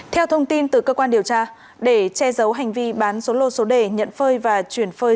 theo thông tin từ cơ quan điều tra để che giấu hành vi bán số lô số đề nhận phơi và chuyển phơi